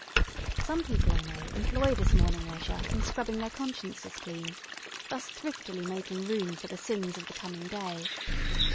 Some people I know employ this morning leisure in scrubbing their consciences clean, thus thriftily making room for the sins of the coming day.